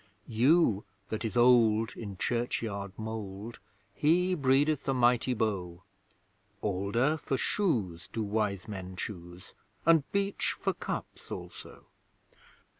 Yew that is old in churchyard mould, He breedeth a mighty bow; Alder for shoes do wise men choose, And beech for cups also.